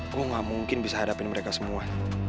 aku gak mungkin bisa hadapin mereka semua